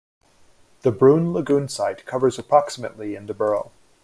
The Bruin Lagoon Site covers approximately in the borough.